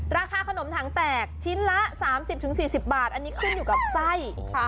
ราคาขนมถังแตกชิ้นละ๓๐๔๐บาทอันนี้ขึ้นอยู่กับไส้